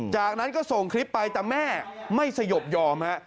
จากนั้นก็ส่งคลิปไปแต่แม่ไม่สยบยอมฮะ